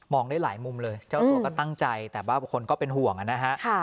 ได้หลายมุมเลยเจ้าตัวก็ตั้งใจแต่ว่าบุคคลก็เป็นห่วงนะฮะ